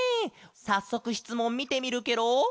さっそくしつもんみてみるケロ。